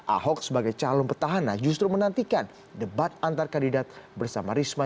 ahok sebagai calon petahana justru menantikan debat antar kandidat bersama risma